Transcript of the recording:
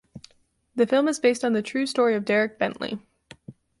The film is based on the true story of Derek Bentley.